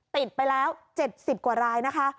ติดไปแล้ว๗๐กว่ารายนะคะ